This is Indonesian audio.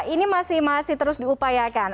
ini masih terus diupayakan